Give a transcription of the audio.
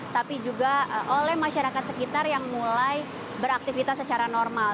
tapi juga oleh masyarakat sekitar yang mulai beraktivitas secara normal